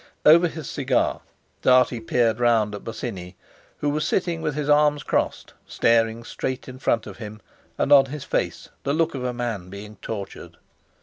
Over his cigar Dartie peered round at Bosinney, who was sitting with his arms crossed, staring straight in front of him, and on his face the look of a man being tortured.